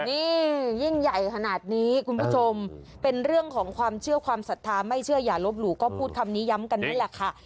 นี่ยิ่งใหญ่ขนาดนี้คุณผู้ชมเป็นเรื่องของความเชื่อความศรัทธาไม่เชื่ออย่าลบหลู่ก็พูดคำนี้ย้ำกันนี่แหละค่ะ